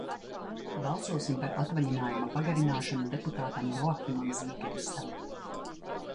Balsosim par atvaļinājuma pagarināšanu deputātam Joahimam Zīgeristam.